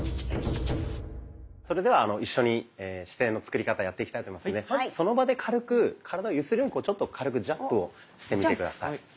それでは一緒に姿勢の作り方やっていきたいと思いますのでまずその場で軽く体を揺するようにちょっと軽くジャンプをしてみて下さい。